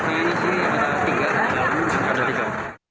kayaknya sih ada tiga tiga tiga tiga